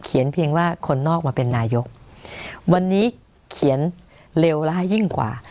เพียงว่าคนนอกมาเป็นนายกวันนี้เขียนเร็วแล้วยิ่งกว่า